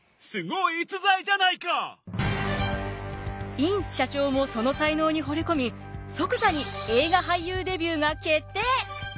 インス社長もその才能にほれ込み即座に映画俳優デビューが決定！